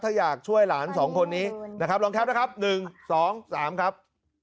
ถ้าอยากช่วยหลานสองคนนี้นะครับลองแคปนะครับหนึ่งสองสามครับ